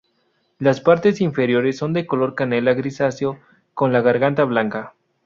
Las partes inferiores son de color canela grisáceo con la garganta blanca.